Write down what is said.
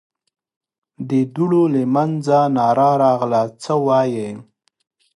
د دوړو له مينځه ناره راغله: څه وايې؟